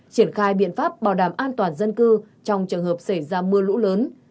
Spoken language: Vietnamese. triển khai biện pháp bảo đảm an toàn dân cư trong trường hợp xảy ra mưa lũ lớn